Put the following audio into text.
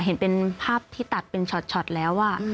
เห็นเป็นภาพที่ตัดเป็นช็อตแล้ว